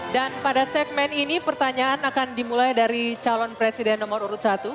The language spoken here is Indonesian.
dan pada segmen ini pertanyaan akan dimulai dari calon presiden nomor urut satu